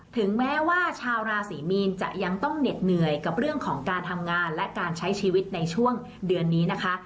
ถึงแม้ว่าชาวราศรีมีนจะยังต้องเหน็ดเหนื่อยกับเรื่องของการทำงานและการใช้ชีวิตในช่วงเดือนนี้นะคะ